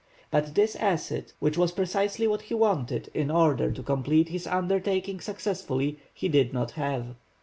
But this acid, which was precisely what he wanted in order to complete his undertaking successfully, he did not have.